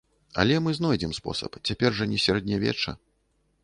Але мы знойдзем спосаб, цяпер жа не сярэднявечча.